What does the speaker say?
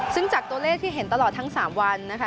ซึ่งจากตัวเลขที่เห็นตลอดทั้ง๓วันนะคะ